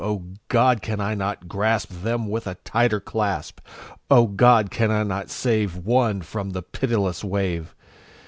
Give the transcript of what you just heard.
O God! can I not grasp Them with a tighter clasp? O God! can I not save One from the pitiless wave?